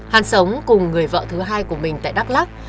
hàn sống cùng người vợ thứ hai của mình tại đắk lắc